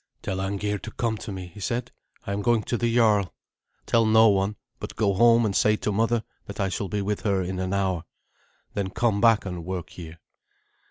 "Tell Arngeir to come to me," he said; "I am going to the jarl. Tell no one, but go home and say to mother that I shall be with her in an hour. Then come back and work here."